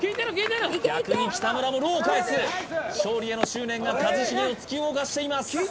逆に北村もローを返す勝利への執念が一茂を突き動かしています